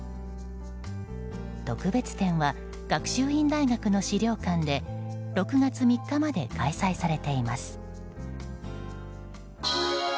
特別展は学習院大学の史料館で６月３日まで開催されています。